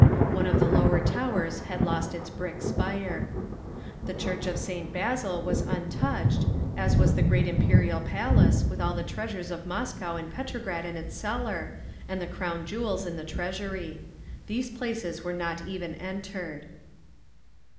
One of the lower towers had lost its brick spire. The church of St. Basil was untouched, as was the great Imperial Palace, with all the treasures of Moscow and Petrograd in its cellar, and the crown jewels in the Treasury. These places were not even entered.